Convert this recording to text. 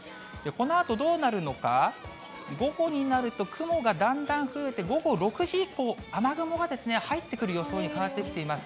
このあとどうなるのか、午後になると、雲がだんだん増えて、午後６時以降、雨雲が入ってくる予想に変わってきています。